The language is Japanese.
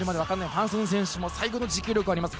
ファン・ソヌ選手も最後、持久力あります。